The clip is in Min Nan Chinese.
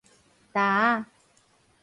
礁仔